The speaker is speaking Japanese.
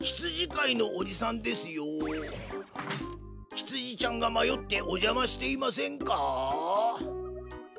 ひつじちゃんがまよっておじゃましていませんか？